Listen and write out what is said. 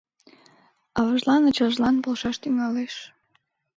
Аважлан-ачажлан полшаш тӱҥалеш.